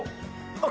あっ！